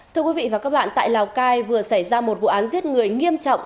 thưa quý vị và các bạn tại lào cai vừa xảy ra một vụ án giết người nghiêm trọng